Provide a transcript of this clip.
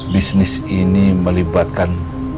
bisnis ini melibatkan